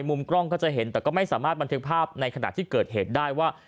มุมกล้องก็จะเห็นแต่ก็ไม่สามารถบันทึกภาพในขณะที่เกิดเหตุได้ว่า